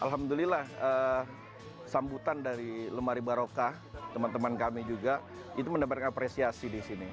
alhamdulillah sambutan dari lemari barokah teman teman kami juga itu mendebarkan apresiasi disini